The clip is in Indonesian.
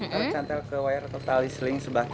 lalu cantel ke wire atau tali seling sebelah kiri kak